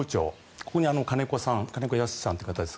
ここに金子恭之さんという方。